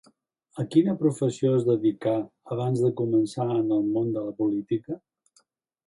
A quina professió es dedicà abans de començar en el món de la política?